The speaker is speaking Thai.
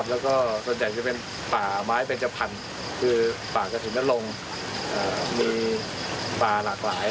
และเป็นพื้นที่ที่กลับมา